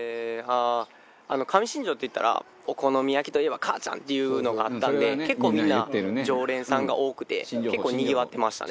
上新庄といったらお好み焼きといえばかあちゃんっていうのがあったんで結構みんな常連さんが多くてにぎわってましたね